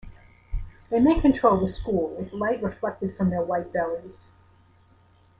They may control the school with light reflected from their white bellies.